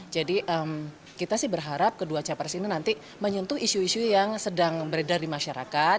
jadi kita sih berharap kedua capres ini nanti menyentuh isu isu yang sedang beredar di masyarakat